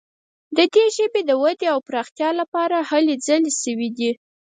د دې ژبې د ودې او پراختیا لپاره هلې ځلې شوي دي.